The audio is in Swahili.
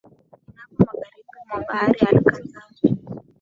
inapo magharibi mwa bahari alkazau